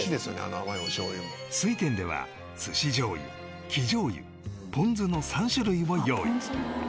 水天では寿司醤油生醤油ポン酢の３種類を用意